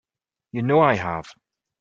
You know I have.